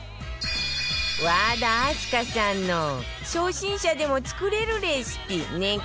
和田明日香さんの初心者でも作れるレシピ年間